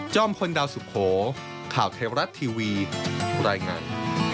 คนดาวสุโขข่าวเทวรัฐทีวีรายงาน